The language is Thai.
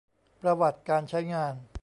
ประวัติการใช้งาน